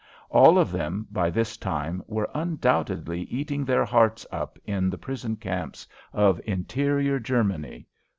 All of them, by this time, are undoubtedly eating their hearts up in the prison camps of interior Germany.